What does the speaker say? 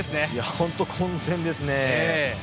本当に混戦ですね。